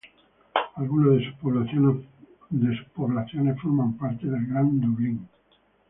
Algunas de sus poblaciones forman parte del Gran Dublín.